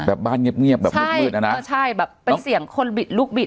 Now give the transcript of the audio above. แบบบ้านเงียบเงียบแบบมืดมืดนะนะใช่แบบเป็นเสียงคนบิดลูกบิด